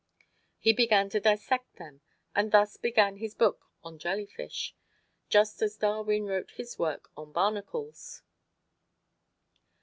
He began to dissect them and thus began his book on jellyfish, just as Darwin wrote his work on barnacles.